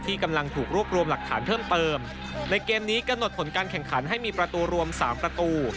กำลังถูกรวบรวมหลักฐานเพิ่มเติมในเกมนี้กำหนดผลการแข่งขันให้มีประตูรวมสามประตู